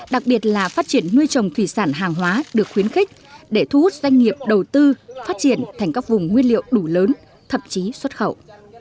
đặc biệt là phát triển nuôi trồng thủy sản hàng hóa được khuyến khích để thu hút doanh nghiệp đầu tư phát triển thành các vùng nguyên liệu đủ lớn thậm chí xuất khẩu